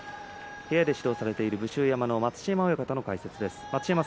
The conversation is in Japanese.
部屋で指導されている武州山の待乳山親方の解説です。